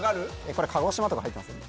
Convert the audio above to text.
これ鹿児島とか入ってます？